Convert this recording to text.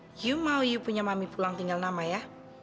heh you mau you punya mami pulang tinggal nama ya